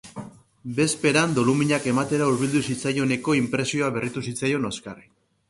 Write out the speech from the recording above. Bezperan doluminak ematera hurbildu zitzaioneko inpresioa berritu zitzaion Oskarri.